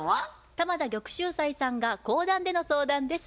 玉田玉秀斎さんが講談での相談です。